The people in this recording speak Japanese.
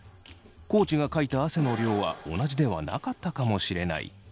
地がかいた汗の量は同じではなかったかもしれない。